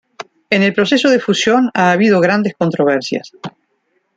En el proceso de fusión ha habido grandes controversias.